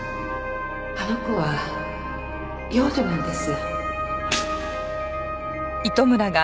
あの子は養女なんです。